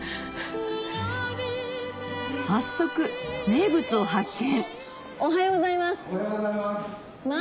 早速名物を発見おはようございます。